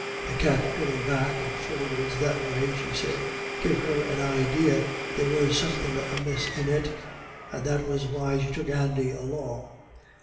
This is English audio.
"The cat goin' back and for'ards that way," she said, "gave her an idee there was somethin' amiss in it, and that was why she took Andy along.